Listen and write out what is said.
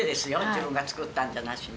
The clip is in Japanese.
自分が作ったんじゃなしに。